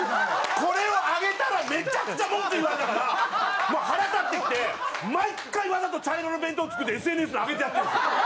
これを上げたらめっちゃくちゃ文句言われたからもう腹立ってきて毎回わざと茶色の弁当作ってＳＮＳに上げてやってんですよ。